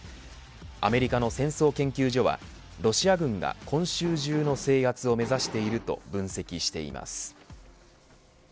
アメリカの戦争研究所はロシア軍が今週中の制圧を目指していると分析しています。